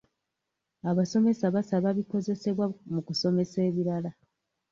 Abasomesa basaba bikozesebwa mu kusomesa ebirala.